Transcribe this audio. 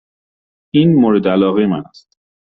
این مورد علاقه من است.